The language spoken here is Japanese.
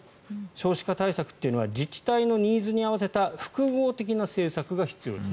少子化対策というのは自治体のニーズに合わせた複合的な政策が必要です。